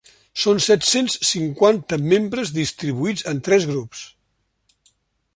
Són set-cents cinquanta membres distribuïts en tres grups.